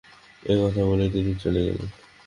– এই কথা বলেই তিনি চলে গেলেন।